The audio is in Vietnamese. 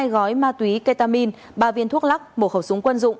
hai mươi hai gói ma túy ketamin ba viên thuốc lắc một khẩu súng quân dụng